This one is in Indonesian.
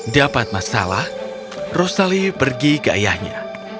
dapat masalah rosali pergi ke ayahnya